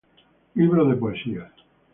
Libros de poesías